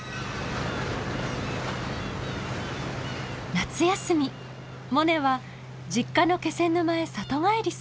夏休みモネは実家の気仙沼へ里帰りすることに。